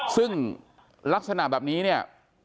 ซึ่งลักษณะแบบนี้เนี่ย